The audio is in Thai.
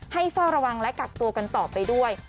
เฝ้าระวังและกักตัวกันต่อไปด้วย